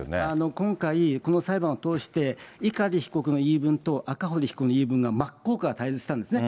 今回、この裁判を通して、碇被告の言い分と赤堀被告の言い分が真っ向から対立したんですね。